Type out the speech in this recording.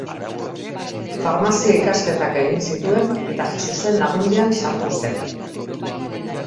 Farmazia ikasketak egin zituen eta Jesusen Lagundian sartu zen.